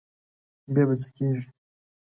بیا به څه کېږي.